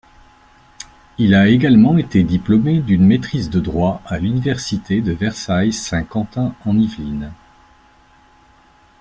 Il a également été diplômé d'une maîtrise de droit à l'Université de Versailles-Saint-Quentin-en-Yvelines.